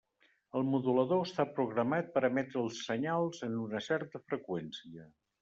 El modulador està programat per emetre els senyals en una certa freqüència.